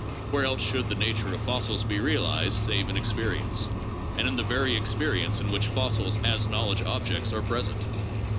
Where else should the nature of fossils be realized save in experience, — and in the very experience in which fossils as knowledge objects are present